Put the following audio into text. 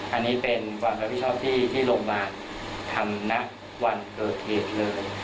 อันนี้เป็นกว่าพระพิชกที่โรงพยาบาลทำร่าวนเบอร์อีบเลย